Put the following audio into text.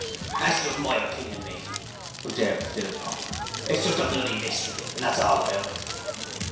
'That's just my opinion, matey,' observed Philpot. 'It's just a bloody mystery, and that's all about it.'